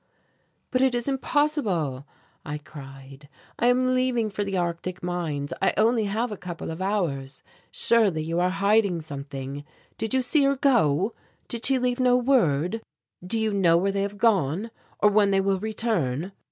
"But it is impossible," I cried. "I am leaving for the Arctic mines. I have only a couple of hours; surely you are hiding something. Did you see her go? Did she leave no word? Do you know where they have gone or when they will return?"